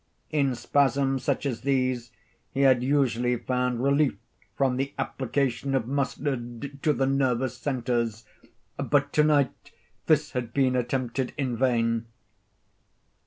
In spasms such as these he had usually found relief from the application of mustard to the nervous centres, but to night this had been attempted in vain.